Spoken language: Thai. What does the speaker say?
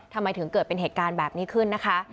ทำไมถึงเกิดเป็นเหตุการณ์แบบนี้ขึ้นนะคะ